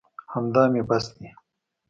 همدا مې بس دي.